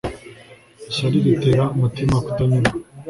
ishyari ritera umutima kutanyurwa